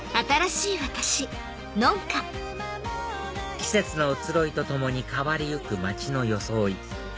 季節の移ろいと共に変わりゆく街の装い